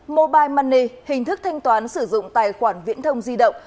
mobile money hình thức thanh toán sử dụng tài khoản viễn thông di động